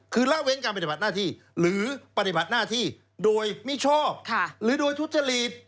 คือละเว้นการปฏิบัติหน้าที่หรือปฏิบัติหน้าที่โดยมิชอบหรือโดยทุจริต